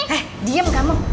eh diam kamu